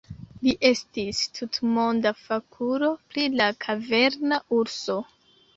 Li estis tutmonda fakulo pri la kaverna urso.